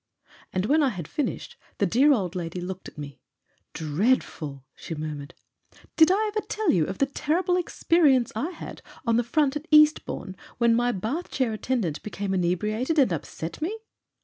And when I had finished, the dear old lady looked at me. "Dreadful!" she murmured. "Did I ever tell you of the terrible experience I had on the front at East bourne, when my bath chair attendant became in ebriated and upset me?"